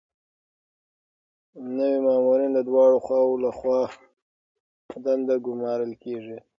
نوي مامورین د دواړو خواوو لخوا په دنده ګمارل کیږي.